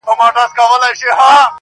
انتقام اخیستل نه بخښل یې شرط دی,